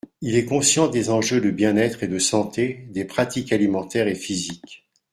Il est conscient des enjeux de bien-être et de santé des pratiques alimentaires et physiques.